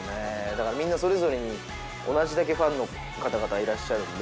だからみんなそれぞれに同じだけファンの方々いらっしゃるので。